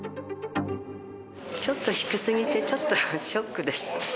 ちょっと低すぎて、ちょっとショックです。